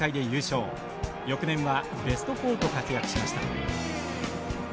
翌年はベスト４と活躍しました。